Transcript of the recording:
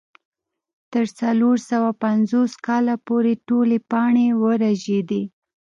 تر څلور سوه پنځوس کاله پورې ټولې پاڼې ورژېدې.